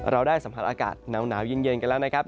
เราได้สัมผัสอากาศหนาวเย็นกันแล้วนะครับ